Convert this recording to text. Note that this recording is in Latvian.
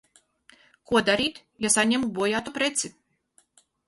Ko darīt, ja saņemu bojātu preci?